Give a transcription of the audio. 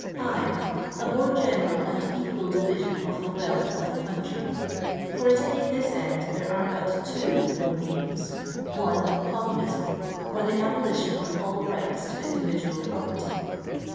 L A fnore gemral and equal divuion </ the wtalth qf the country : for altaining this and there are but two known means :— 1. Coaununism ; or the abolition of all tights ta indiridaal property.